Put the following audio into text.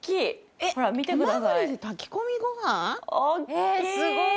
えっすごい！